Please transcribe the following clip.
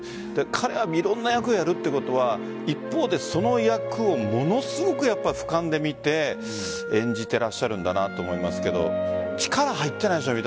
彼はいろんな役をやるということは一方でその役をものすごくふかんで見て演じていらっしゃるんだなと思いますが力入ってないですよね。